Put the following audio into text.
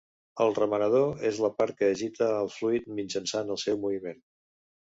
El remenador és la part que agita el fluid mitjançant el seu moviment.